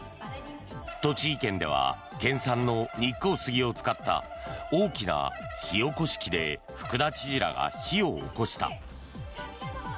栃木県では県産の日光杉を使った大きな火起こし器で福田知事らが火を起こした。